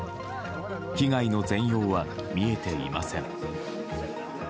被害の全容は見えていません。